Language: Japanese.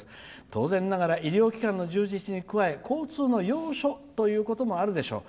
当然ながら医療機関の充実に加え交通の要衝ということもあるでしょう。